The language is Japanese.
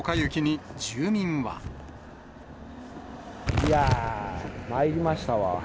いやー、まいりましたわ。